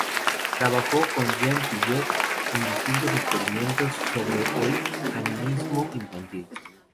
Trabajó con Jean Piaget en distintos experimentos sobre animismo infantil.